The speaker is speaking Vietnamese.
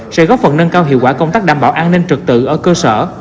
sẽ góp phần nâng cao hiệu quả công tác đảm bảo an ninh trực tự ở cơ sở